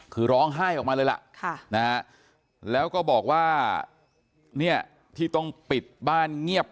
คือร้องไห้ออกมาเลยล่ะแล้วก็บอกว่าเนี่ยที่ต้องปิดบ้านเงียบ